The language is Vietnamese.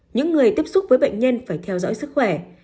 những người tiếp xúc với bệnh nhân phải theo dõi sức khỏe